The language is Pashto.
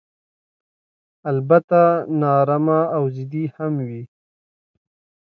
البته نا ارامه او ضدي هم وي.